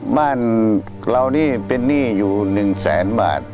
บ้านเรานี่เป็นหนี้อยู่๑แสนบาท